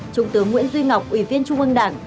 trung tướng nguyễn duy ngọc ủy viên trung ương đảng